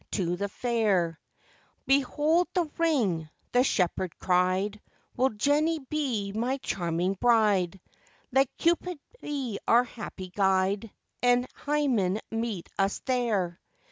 'Behold, the ring,' the shepherd cried; 'Will Jenny be my charming bride? Let Cupid be our happy guide, And Hymen meet us there.